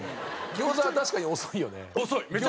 餃子は確かに遅いよね。